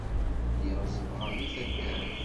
Lliɣ zedɣeɣ deg taddart.